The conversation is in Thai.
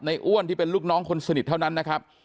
อ้วนที่เป็นลูกน้องคนสนิทเท่านั้นนะครับ